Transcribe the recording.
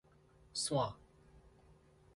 散